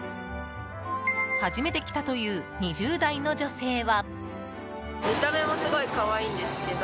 初めて来たという２０代の女性は。